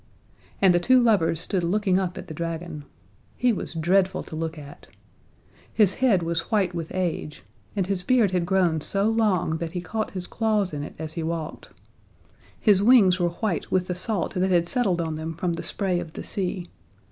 And the two lovers stood looking up at the dragon. He was dreadful to look at. His head was white with age and his beard had grown so long that he caught his claws in it as he walked. His wings were white with the salt that had settled on them from the spray of the sea.